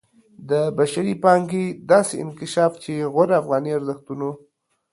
د بشري پانګې داسې انکشاف چې غوره افغاني ارزښتونو